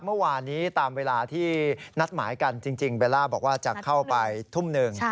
เมื่อวานนี้ตามเวลาที่นัดหมายกันจริงเบลล่าบอกว่าจะเข้าไปทุ่มหนึ่ง